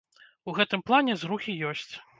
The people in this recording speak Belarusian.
У гэтым плане зрухі ёсць.